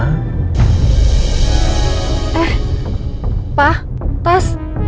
eh pak tas